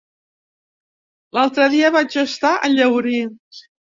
L'altre dia vaig estar a Llaurí.